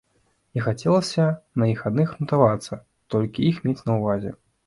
І хацелася на іх адных грунтавацца, толькі іх мець на ўвазе.